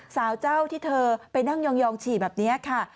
สาวเจ้าที่เธอไปนั่งยองฉี่แบบนี้ค่ะ